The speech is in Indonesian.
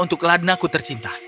untuk ladnaku tercinta